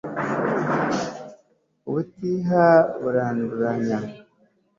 ubutiha buranduranya